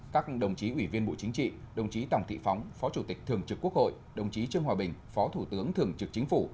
các đồng chí ủy viên bộ chính trị đồng chí tòng thị phóng phó chủ tịch thường trực quốc hội đồng chí trương hòa bình phó thủ tướng thường trực chính phủ